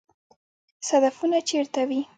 صدفونه چیرته وي؟